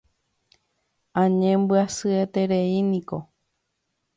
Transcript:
Añembyasyetereíniko.